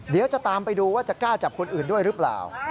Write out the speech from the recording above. เดี๋ยวจะตามไปดูว่าจะกล้าจับคนอื่นด้วยหรือเปล่า